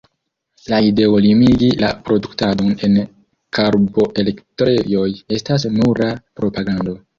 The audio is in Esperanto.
La ideo limigi la produktadon en karboelektrejoj estas nura propagando.